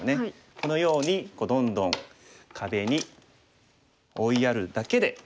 このようにどんどん壁に追いやるだけで。